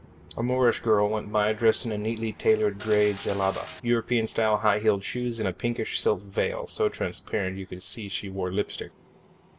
A Moorish girl went by dressed in a neatly tailored gray jellaba, European style high heeled shoes, and a pinkish silk veil so transparent that you could see she wore lipstick.